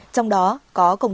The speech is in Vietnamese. trong đó có công tác công an